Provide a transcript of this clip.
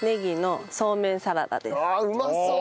ああうまそう。